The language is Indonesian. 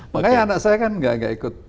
makanya anak saya kan gak ikut